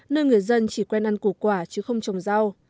nơi người dân chỉ quen ăn củ quả chứ không trồng rau